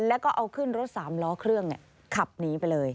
แล้วก็เอาขึ้นรถ๓ล้อเครื่องขับหนีไปเลย